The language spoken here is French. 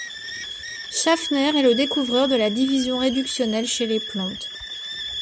Schaffner est le découvreur de la division réductionnelle chez les plantes.